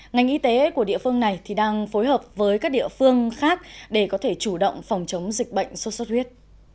ngành y tế của địa phương này đang phối hợp với các địa phương khác để có thể chủ động phòng chống dịch bệnh sốt xuất huyết